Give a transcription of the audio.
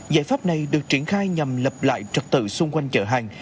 giải pháp này được triển khai nhằm lập lại trật tự xung quanh chợ hàng